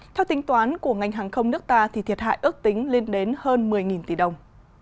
theo tính toán của ngành hàng không nước ta thì thiệt hại ước tính lên đến hơn một mươi tỷ đồng